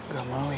gak mau ya